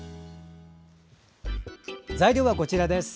材料はこちらです。